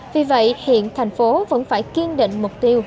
vì vậy hiện thành phố vẫn phải kiên định mục tiêu